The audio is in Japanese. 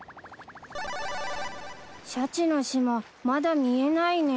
シャチの島まだ見えないね。